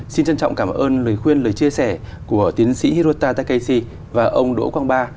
xin trân trọng cảm ơn lời khuyên lời chia sẻ của tiến sĩ hirotakeshi và ông đỗ quang ba